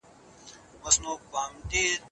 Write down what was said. څنګه په پوره پام سره د خوړو خوړل ذهني خوند زیاتوي؟